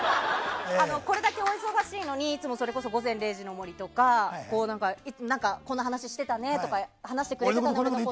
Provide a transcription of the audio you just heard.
これだけお忙しいのにそれこそ「午前０時の森」とかでこんな話してたねとか話してくれてて。